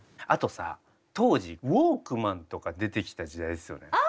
あとさ当時ウォークマンとか出てきた時代ですよね。